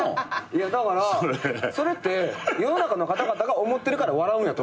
いやだからそれって世の中の方々が思ってるから笑うんやと思うねん。